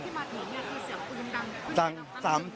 ที่มาถูกยิงเนี่ยคือเสียงผู้ยืมดัง